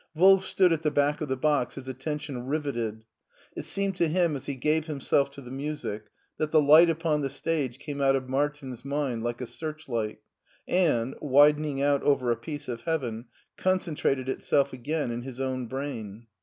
Wolf stood at the back of the box, his attention riveted. ' It seemed to him as he gave himself to the music that the light upon the stage came out of Mar tin's mind like a searchlight, and, widening out over a piece of heaven, concentrated itself again in his own brain.